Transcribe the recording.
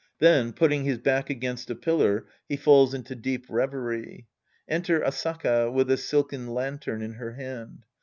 Then, putting his back against a pillar, he falls into deep revery. Enter AsAKA, with a silken lantern in her hand.